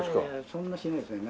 そんなしないですね。